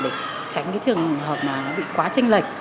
để tránh cái trường hợp mà nó bị quá trình lệch